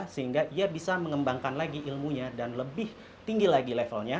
sehingga ia bisa mengembangkan lagi ilmunya dan lebih tinggi lagi levelnya